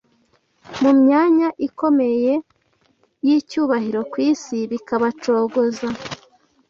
mu myanya ikomeye y’icyubahiro ku isi, bikabacogoza